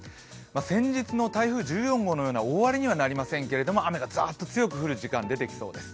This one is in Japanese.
先日の台風１４号のような大荒れにはなりませんけれども雨がザッと強く降る時間出てきそうです。